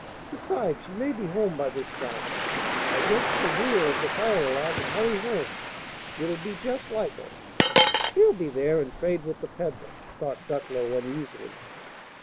Besides, she may be home by this time. I guess she'll hear of the fire alarm and hurry home: it'll be jest like her. She'll be there, and trade with the peddler!" thought Ducklow, uneasily.